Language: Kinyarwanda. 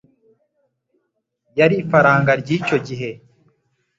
yari ifaranga ry'icyo gihe